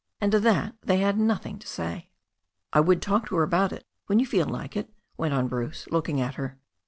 And to that they had nothing to say. "1 would talk to her about it when you feel like it," went on Bruce, looking at her.